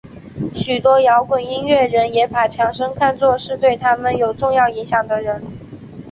许多摇滚音乐人也把强生看作是对他们有重要影响的人。